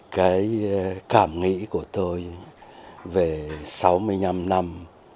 cái cảm nghĩ của tôi về sáu mươi năm năm